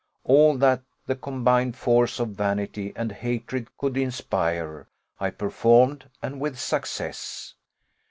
All that the combined force of vanity and hatred could inspire I performed, and with success.